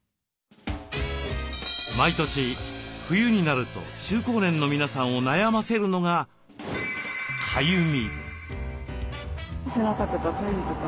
毎年冬になると中高年の皆さんを悩ませるのがかゆみ。